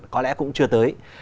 có lẽ cũng chưa tới